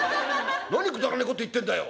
何くだらねえこと言ってんだよ。